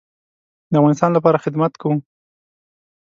د افغانستان لپاره خدمت کوم